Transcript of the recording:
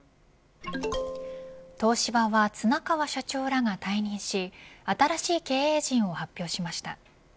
東芝は綱川社長らが退任し新しい経営陣を発表しました。